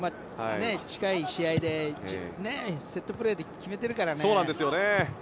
近い試合でセットプレーで決めてるからね。